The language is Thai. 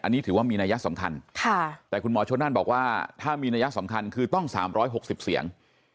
อันนี้ถือว่ามีนัยสำคัญแต่คุณหมอชนนั่นบอกว่าถ้ามีนัยสำคัญคือต้อง๓๖๐เสียง